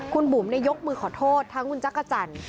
คุณบุ๋มยกมือขอโทษทั้งคุณจักรจันทร์